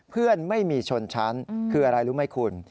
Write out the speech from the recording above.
เพื่อนไม่มีชนชั้นคืออะไรรู้ไหมคุณ